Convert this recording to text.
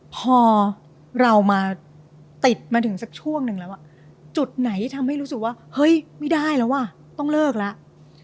พอเรามาติดมาถึงสักช่วงหนึ่งแล้วจุดไหนที่ทำให้รู้สึกว่าเฮ้ยไม่ได้แล้วอ่ะต้องเลิกแล้ว